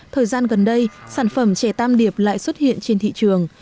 thời gian gần đây sản phẩm chè tam điệp lại xuất hiện trên thị trường